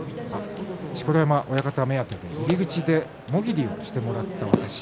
錣山親方目当てで入り口でもぎりをしてもらった私。